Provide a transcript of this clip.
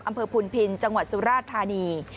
อำเภอภูนิภินทร์จังหวัดสุราชธานี